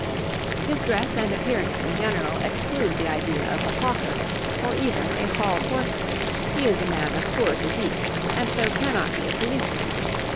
His dress and appearance in general exclude the idea of a hawker or even a hall porter; he is a man of poor physique and so cannot be a policeman.